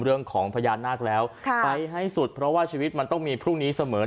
เรื่องของพญานาคแล้วไปให้สุดเพราะว่าชีวิตมันต้องมีพรุ่งนี้เสมอ